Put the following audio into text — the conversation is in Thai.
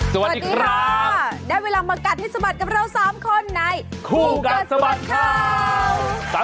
สวัสดีค่ะได้เวลามากัดให้สะบัดกับเรา๓คนในคู่กัดสะบัดข่าว